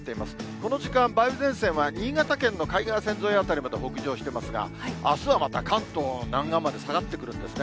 この時間、梅雨前線は新潟県の海岸線沿い辺りまで北上してますが、あすはまた関東南岸まで下がってくるんですね。